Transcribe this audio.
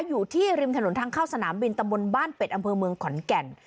อยู่ที่ริมถนนทางเข้าสนามบินตำบลบ้านเป็ดอำเภอเมืองขอนแก่น